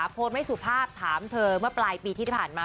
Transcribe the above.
โพสต์ไม่สุภาพถามเธอเมื่อปลายปีที่ผ่านมา